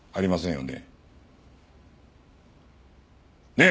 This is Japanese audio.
ねえ！